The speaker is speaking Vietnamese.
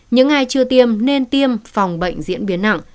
những ai chưa tiêm nên tiêm phòng bệnh diễn biến nặng